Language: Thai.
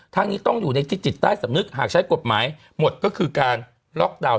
นี้ต้องอยู่ในจิตใต้สำนึกหากใช้กฎหมายหมดก็คือการล็อกดาวน์